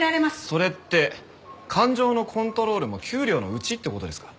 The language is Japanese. それって感情のコントロールも給料のうちって事ですか？